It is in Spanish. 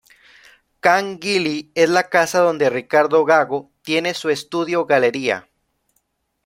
Ca´n Gili es la casa donde Ricardo Gago tiene su estudio galería.